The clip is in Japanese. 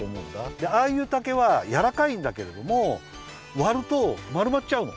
でああいう竹はやわらかいんだけれどもわるとまるまっちゃうの。